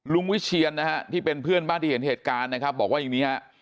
วิเชียนนะฮะที่เป็นเพื่อนบ้านที่เห็นเหตุการณ์นะครับบอกว่าอย่างนี้ฮะ